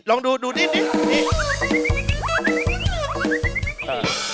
ลองดูดูดิ้นดิ้นดิ้น